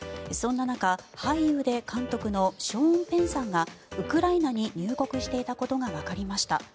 そんな中、俳優で監督のショーン・ペンさんがウクライナに入国していたことがわかりました。